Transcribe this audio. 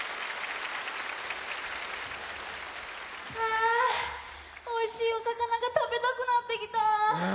あぁおいしいおさかなが食べたくなってきた。